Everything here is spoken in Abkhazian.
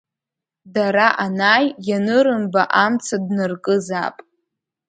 Дара анааи, ианырымба, амца днаркызаап…